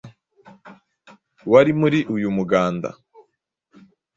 wari muri uyu muganda